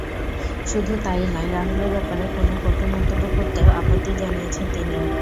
শুধু তা-ই নয়, রাহুলের ব্যাপারে কোনো কটু মন্তব্য করতেও আপত্তি জানিয়েছেন তিনি।